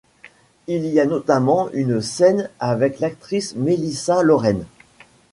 Il y a notamment une scène avec l'actrice Mélissa Lauren.